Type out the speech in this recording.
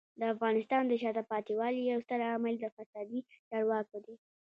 د افغانستان د شاته پاتې والي یو ستر عامل د فسادي چارواکو دی.